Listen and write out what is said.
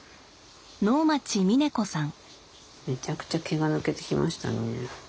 めちゃくちゃ毛が抜けてきましたのね。